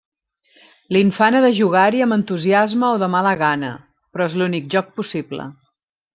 L'infant ha de jugar-hi amb entusiasme o de mala gana; però és l’únic joc possible.